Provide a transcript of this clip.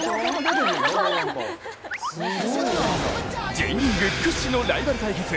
Ｊリーグ屈指のライバル対決